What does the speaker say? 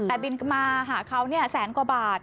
แต่บินมาหาเขาแสนกว่าบาท